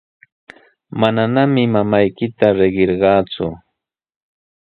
Manami mamaykita riqarqaaku.